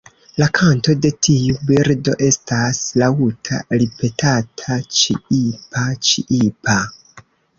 La kanto de tiu birdo estas laŭta ripetata "ĉiipa-ĉiipa".